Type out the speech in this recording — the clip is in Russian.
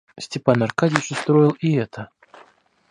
Степан Аркадьич устроил и это.